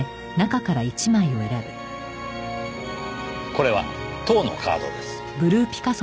これは塔のカードです。